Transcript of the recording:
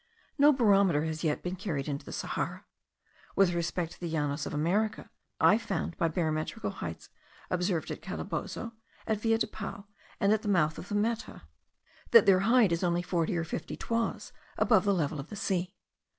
No barometer has yet been carried into the Sahara. With respect to the Llanos of America, I found by barometric heights observed at Calabozo, at the Villa del Pao, and at the mouth of the Meta, that their height is only forty or fifty toises above the level of the sea.